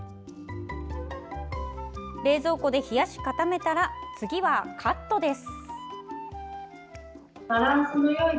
冷蔵庫で冷やし固めたら次はカットです。